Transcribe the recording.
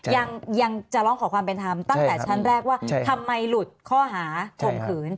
ยังจะร้องขอความเป็นธรรมตั้งแต่ชั้นแรกว่าทำไมหลุดข้อหาข่มขืน